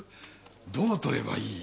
どう取ればいい？